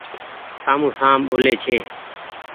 سامون سام ٻولي ڇي ۔